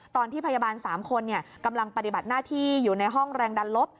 ตอนที่พยาบาล๓คนกำลังปฏิบัติหน้าที่อยู่ในห้องแรงดันลบ